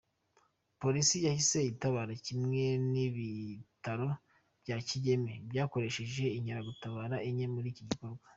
Polisi yahise itabara kimwe n’ibitaro bya Kigeme byakoresheje inkeragutaba enye muri iki gikorwa.